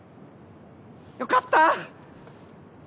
よかった！